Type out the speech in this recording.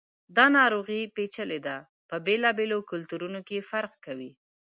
دا ناروغي پیچلي ده، په بېلابېلو کلتورونو کې فرق کوي.